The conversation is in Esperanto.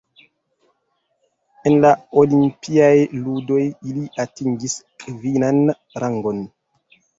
En la Olimpiaj ludoj ili atingis kvinan rangon.